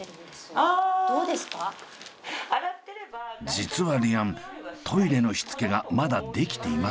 実はリアントイレのしつけがまだできていません。